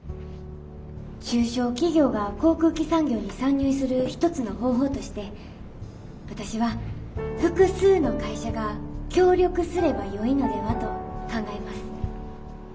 中小企業が航空機産業に参入する一つの方法として私は複数の会社が協力すればよいのではと考えます。